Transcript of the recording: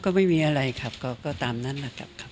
ก็ไม่มีอะไรครับก็ตามนั้นนะครับขอบคุณครับ